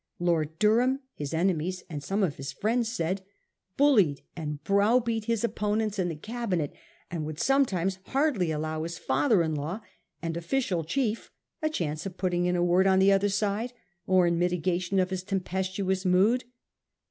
Lord Durham, his enemies and* some of his friends said, bullied and browbeat his opponents in the Cabinet, and would sometimes hardly allow his father in law and official chief a chance of putting in a word on the other side, or in mitigation of his tempestuous mood.